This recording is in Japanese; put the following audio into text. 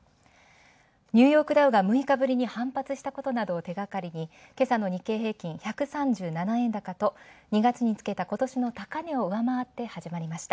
ニューヨークダウが６日ぶりに反発したことなどを手がかりに、今朝の日経平均、１３７円高と２月につけた今年の高値を上回って始まりました。